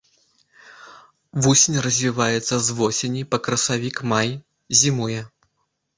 Вусень развіваецца з восені па красавік-май, зімуе.